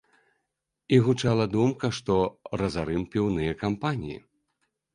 І гучала думка, што разарым піўныя кампаніі.